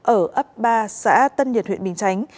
ở ấp ba xã tân nhiệt huyện bình chánh